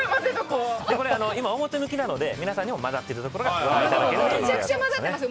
これ今表向きなので皆さんにも交ざってるところがご覧いただけると。